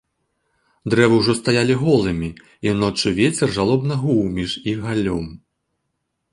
Дрэвы ўжо стаялі голымі, і ноччу вецер жалобна гуў між іх галлём.